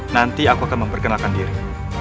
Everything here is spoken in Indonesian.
nanti aku akan memperkenalkan diri